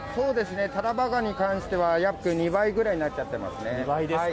たらばがにに関しては約２倍ぐらいになっちゃっていますね。